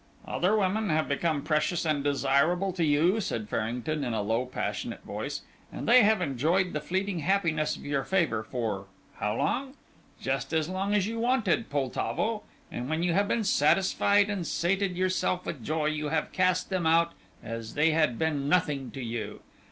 "Other women have become precious and desirable to you," said Farrington in a low, passionate voice, "and they have enjoyed the fleeting happiness of your favour for how long? Just as long as you wanted, Poltavo, and when you have been satisfied and sated yourself with joy, you have cast them out as they had been nothing to you.